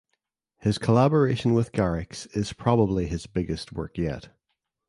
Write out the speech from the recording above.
His collaboration with Garrix is probably his biggest work yet.